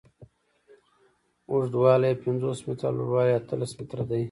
اوږدوالی یې پنځوس متره او لوړوالی یې اتلس متره دی.